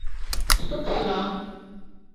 Kifalag.